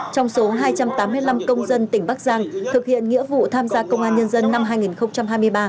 trong số hai trăm tám mươi năm công dân tỉnh bắc giang thực hiện nghĩa vụ tham gia công an nhân dân năm hai nghìn hai mươi ba